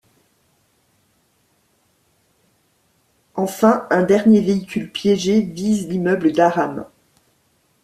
Enfin, un dernier véhicule piégé vise l'immeuble d'Aram.